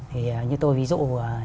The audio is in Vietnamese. thì như tôi ví dụ